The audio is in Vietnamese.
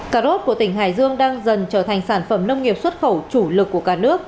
cà rốt của tỉnh hải dương đang dần trở thành sản phẩm nông nghiệp xuất khẩu chủ lực của cả nước